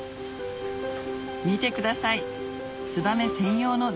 見てください